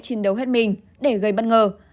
chiến đấu hết mình để gây bất ngờ